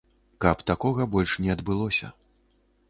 Каб такога больш не адбылося.